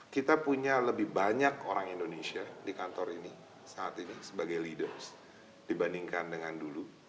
kita punya lebih banyak orang indonesia di kantor ini saat ini sebagai leaders dibandingkan dengan dulu